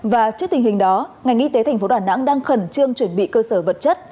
và trước tình hình đó ngành y tế tp đà nẵng đang khẩn trương chuẩn bị cơ sở vật chất